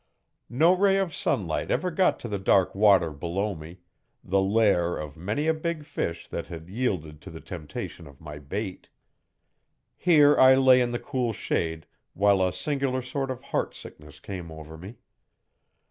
No ray of sunlight ever got to the dark water below me the lair of many a big fish that had yielded to the temptation of my bait. Here I lay in the cool shade while a singular sort of heart sickness came over me.